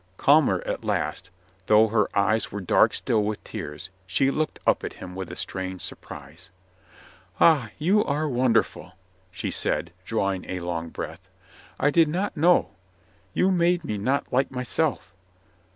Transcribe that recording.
... Calmer at last, though her eyes were dark still with tears, she looked up at him with a strange surprise. "Ah, you were wonderful!" she said, drawing a long breath. "I did not know. ... You have made me not like myself.